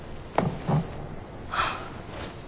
はあ。